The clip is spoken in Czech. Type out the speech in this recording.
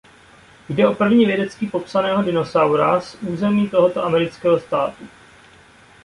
Jde o prvního vědecky popsaného dinosaura z území tohoto amerického státu.